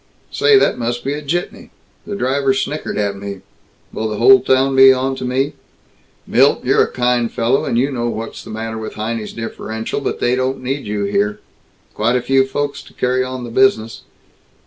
Say, that must be a jitney. The driver snickered at me. Will the whole town be onto me? Milt, you're a kind young fellow, and you know what's the matter with Heinie's differential, but they don't need you here. Quite a few folks to carry on the business.